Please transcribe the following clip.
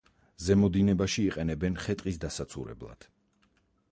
ზემო დინებაში იყენებენ ხე-ტყის დასაცურებლად.